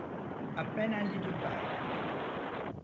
À peine un lit de paille.